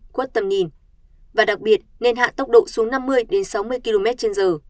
quất tầm nhìn và đặc biệt nên hạ tốc độ xuống năm mươi sáu mươi kmh